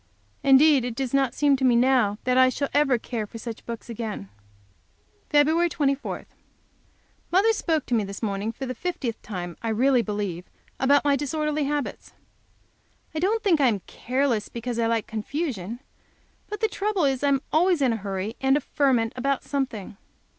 Indeed it does not seem to me now that I shall ever care for such books again. Feb. 24. Mother spoke to me this morning for the fiftieth time, I really believe, about my disorderly habits. I don't think I am careless because I like confusion, but the trouble is I am always in a hurry and a ferment about something.